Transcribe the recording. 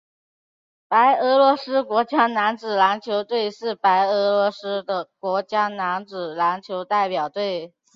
白俄罗斯国家男子篮球队是白俄罗斯的国家男子篮球代表队。